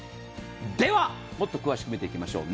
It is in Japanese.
では、もっと詳しく見ていきましょう。